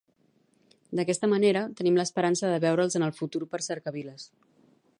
D'aquesta manera, tenim l'esperança de veure'ls en el futur per cercaviles!